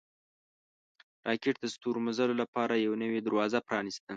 راکټ د ستورمزلو لپاره یوه نوې دروازه پرانیسته